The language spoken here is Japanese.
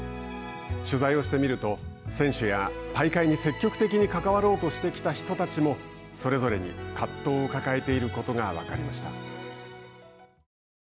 取材をしてみると選手や大会に積極的に関わろうとしてきた人たちもそれぞれに葛藤を抱えていることが分かりました。